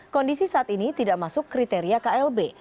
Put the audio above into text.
kondisi saat ini tidak masuk kriteria klb